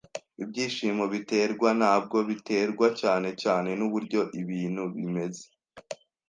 Ibyishimo biterwa, ntabwo biterwa cyane cyane nuburyo ibintu bimeze,